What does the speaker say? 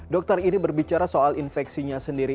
dokter ini berbicara soal infeksinya sendiri